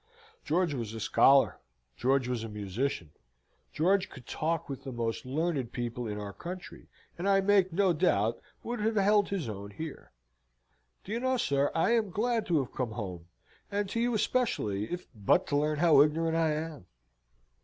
George was a scholar; George was a musician; George could talk with the most learned people in our country, and I make no doubt would have held his own here. Do you know, sir, I am glad to have come home, and to you especially, if but to learn how ignorant I am."